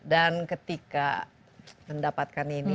dan ketika mendapatkan ini